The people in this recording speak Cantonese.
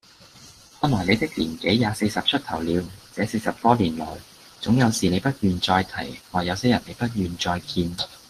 看來你的年紀也四十出頭了，這四十多年來，總有事你不願再提，或有些人你不願再見。